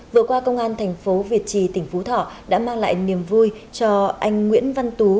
vừa qua công an thành phố việt trì tỉnh phú thọ đã mang lại niềm vui cho anh nguyễn văn tú